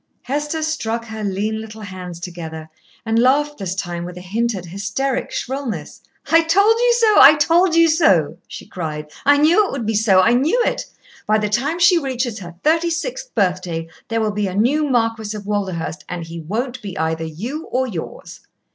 Hester struck her lean little hands together and laughed this time with a hint at hysteric shrillness. "I told you so, I told you so!" she cried. "I knew it would be so, I knew it! By the time she reaches her thirty sixth birthday there will be a new Marquis of Walderhurst, and he won't be either you or yours."